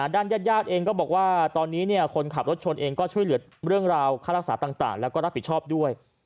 ด้านญาติเองก็บอกว่าตอนนี้คนขับรถชนเองก็ช่วยเหลือเรื่องราวค่ารักษาต่างแล้วก็รับผิดชอบด้วย